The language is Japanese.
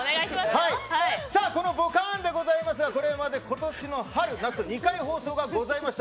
このボカーンでございますがこれまで今年の春、夏２回放送がございました。